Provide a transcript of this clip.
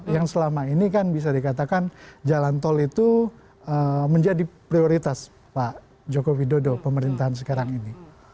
yang selama ini kan bisa dikatakan jalan tol itu menjadi prioritas pak joko widodo pemerintahan sekarang ini